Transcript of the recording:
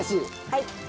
はい。